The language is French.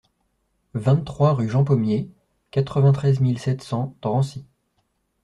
vingt-trois rue Jean Pomier, quatre-vingt-treize mille sept cents Drancy